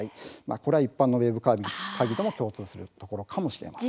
これは一般のウェブ会議とも共通するところかもしれません。